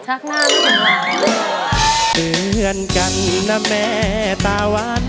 ชักหน้าไม่ถึงหลัง